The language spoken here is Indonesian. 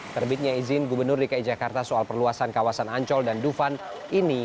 terbitnya izin gubernur dki jakarta soal perluasan kawasan ancol dan dufan ini